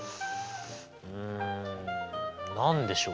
うん何でしょう？